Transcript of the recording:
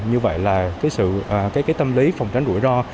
như vậy là tâm lý phòng tránh rủi ro